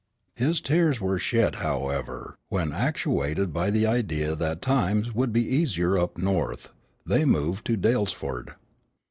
His tears were shed, however, when, actuated by the idea that times would be easier up North, they moved to Dalesford.